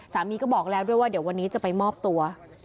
สามีก็บอกแล้วด้วยว่าเดี๋ยววันนี้จะไปมอบตัว